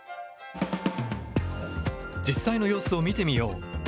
実際の様子を見てみよう。